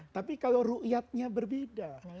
tapi kalau ru'iyatnya berbeda